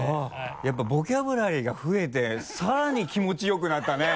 やっぱボキャブラリーが増えてさらに気持ちよくなったね。